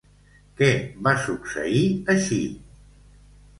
Què va succeir, així?